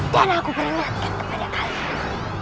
dan aku peringatkan kepada kalian